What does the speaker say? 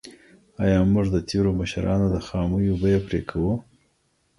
ایا موږ د تېرو مشرانو د خامیو بیه پرې کوو؟